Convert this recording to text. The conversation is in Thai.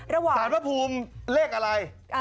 สารพระภูมิเลขอะไร